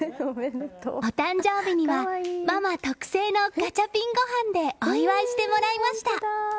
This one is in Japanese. お誕生日にはママ特製のガチャピンごはんでお祝いしてもらいました。